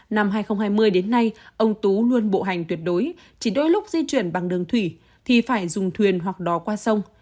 năm hai nghìn hai mươi đến nay ông tú luôn bộ hành tuyệt đối chỉ đôi lúc di chuyển bằng đường thủy thì phải dùng thuyền hoặc đò qua sông